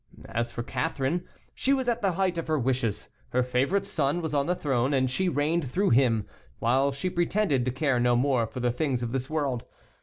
As for Catherine, she was at the height of her wishes; her favorite son was on the throne, and she reigned through him, while she pretended to care no more for the things of this world.